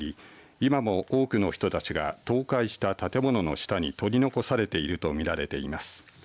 今も多くの人たちが倒壊した建物の下に取り残されていると見られています。